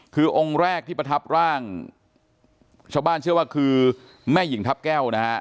คือองค์แรกที่ประทับร่างชาวบ้านเชื่อว่าคือแม่หญิงทัพแก้วนะฮะ